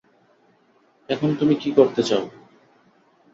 এখন তুমি কী করতে চাও?